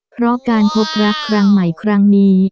เพราะการพบรักครั้งใหม่ครั้งนี้